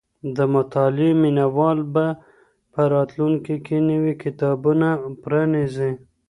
د مطالعې مينه وال به په راتلونکي کي نوي کتابتونونه پرانيزي.